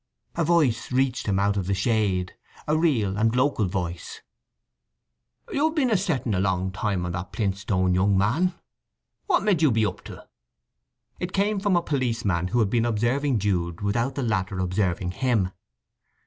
A voice reached him out of the shade; a real and local voice: "You've been a settin' a long time on that plinth stone, young man. What med you be up to?" It came from a policeman who had been observing Jude without the latter observing him.